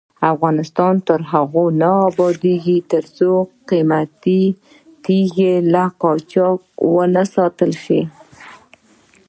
افغانستان تر هغو نه ابادیږي، ترڅو قیمتي تیږې له قاچاق وساتل نشي.